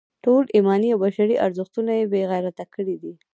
ټول ایماني او بشري ارزښتونه یې بې غیرته کړي دي.